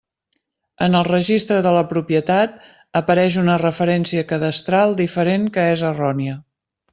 En el Registre de la Propietat apareix una referència cadastral diferent que és errònia.